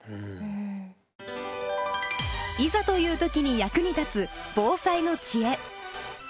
いざという時に役に立つ防災の知恵。